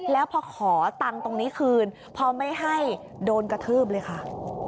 แล้วพอขอตังค์ตรงนี้คืนพอไม่ให้โดนกระทืบเลยค่ะ